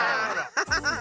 ハハハッ。